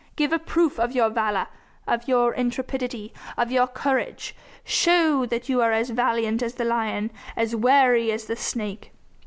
Give a proof of your valour, of your intrepidity, of your courage! Show that you are as valiant as the lion, as wary as the snake.